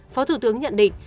phó thủ tướng nhận định